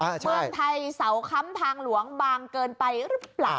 เมืองไทยเสาค้ำทางหลวงบางเกินไปหรือเปล่า